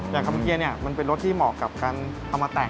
แต่คามันเกียร์นี่มันเป็นรถที่เหมาะกับการเอามาแต่ง